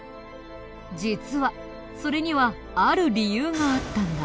実はそれにはある理由があったんだ。